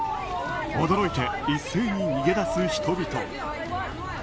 驚いて一斉に逃げ出す人々。